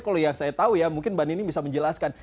kalau yang saya tahu ya mungkin mbak nining bisa menjelaskan